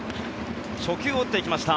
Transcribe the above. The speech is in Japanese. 初球を打っていきました。